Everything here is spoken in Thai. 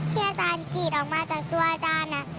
อาจารย์กรีดออกมาจากตัวอาจารย์